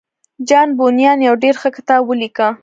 جان بونيان يو ډېر ښه کتاب وليکه.